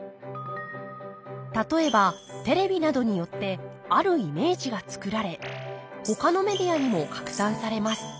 例えばテレビなどによってあるイメージが作られほかのメディアにも拡散されます。